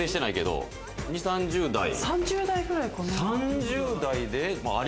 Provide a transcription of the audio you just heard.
３０代くらいかな。